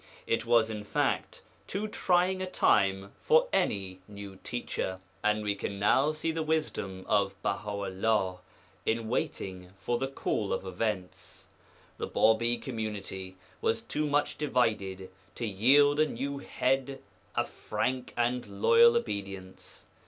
It was, in fact, too trying a time for any new teacher, and we can now see the wisdom of Baha 'ullah in waiting for the call of events. The Bābī community was too much divided to yield a new Head a frank and loyal obedience.